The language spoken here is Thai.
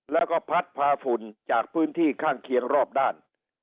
แล้วก็พัดพาฝุ่นจากพื้นที่ข้างเคียงรอบด้าน